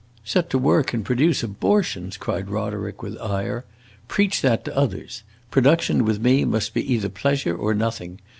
"Set to work and produce abortions!" cried Roderick with ire. "Preach that to others. Production with me must be either pleasure or nothing.